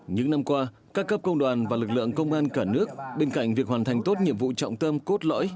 những năm qua các cấp công đoàn và lực lượng công an cả nước bên cạnh việc hoàn thành tốt nhiệm vụ trọng tâm cốt lõi